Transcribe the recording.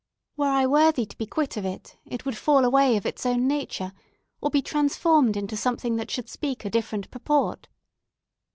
"Were I worthy to be quit of it, it would fall away of its own nature, or be transformed into something that should speak a different purport."